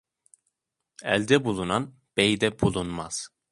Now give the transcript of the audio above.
Elde bulunan beyde bulunmaz.